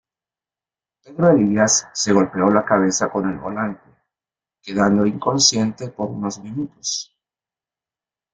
Pedro Elías se golpeó la cabeza con el volante quedando inconsciente por unos minutos.